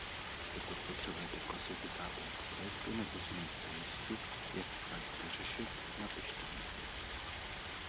Pokud potřebujete klasifikátory k projektu nebo si nejste jisti, jak projekt řešit, napište mi.